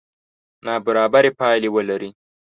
نابرابرې پایلې ولري.